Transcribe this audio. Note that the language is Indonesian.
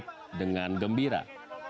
salam pengandung lagi pak